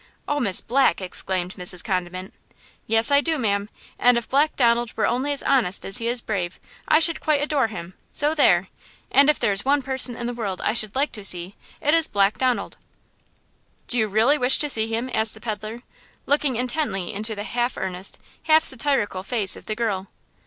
"Oh, Miss Black!" exclaimed Mrs. Condiment. "Yes, I do, ma'am. And if Black Donald were only as honest as he is brave I should quite adore him. So there! And if there is one person in the world I should like to see it is Black Donald!" "Do you really wish to see him?" asked the peddler, looking intently into the half earnest, half satirical face of the girl.